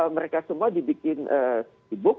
mereka semua dibikin sibuk